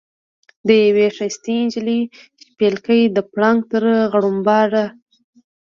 د یوې ښایستې نجلۍ شپېلکی د پړانګ تر غړمبهاره.